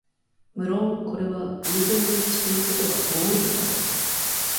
むろんこれは、偶然の一致ということが大いにあろう。